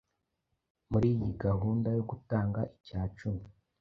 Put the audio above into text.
Muri iyi gahunda yo gutanga icyacumi,